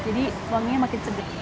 jadi wanginya makin sedap